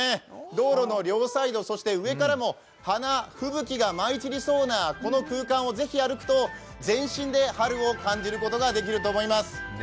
道路の両サイド、上からも花ふぶき舞い散りそうなこの空間をぜひ歩くと全身で春を感じることができると思います。